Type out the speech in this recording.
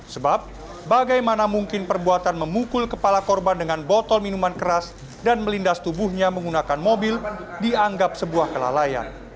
sebab bagaimana mungkin perbuatan memukul kepala korban dengan botol minuman keras dan melindas tubuhnya menggunakan mobil dianggap sebuah kelalaian